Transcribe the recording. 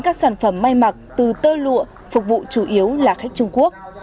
các sản phẩm may mặc từ tơ lụa phục vụ chủ yếu là khách trung quốc